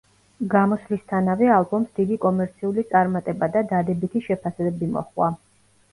გამოსვლისთანავე ალბომს დიდი კომერციული წარმატება და დადებითი შეფასებები მოჰყვა.